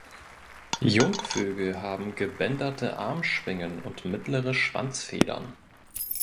Jungvögel haben gebänderte Armschwingen und mittlere Schwanzfedern.